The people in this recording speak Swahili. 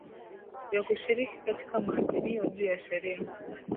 ya kushiriki katika maazimio juu ya sheria